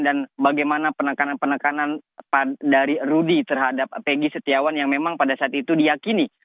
dan bagaimana penekanan penekanan dari rudy terhadap peggy setiawan yang memang pada saat itu diakini